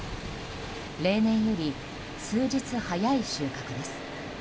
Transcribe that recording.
例年より数日早い収穫です。